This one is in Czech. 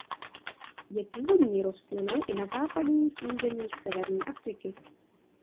Je původní rostlinou i na západních územích severní Afriky.